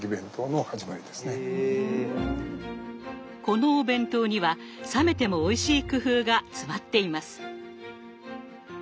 このお弁当には冷めてもおいしい工夫が詰まっています。